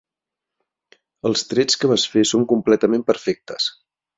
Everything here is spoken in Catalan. Els trets que vas fer són completament perfectes.